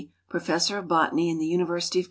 Professor of Botany in the University of